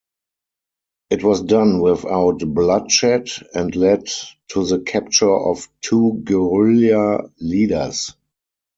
It was done without bloodshed and led to the capture of two guerrilla leaders.